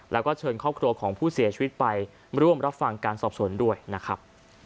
แล้วก็เชิญครอบครัวของผู้เสียชีวิตไปร่วมรับฟังการสอบสวนด้วยนะครับ